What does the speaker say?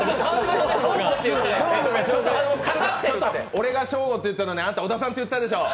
俺がショーゴって言ったのにあんた小田さんって言ったでしょ！